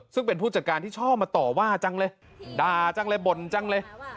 ซึ่งเป็นผู้จัดการที่ชอบมาต่อว่าจังเลยด่าจังเลยบ่นจังเลย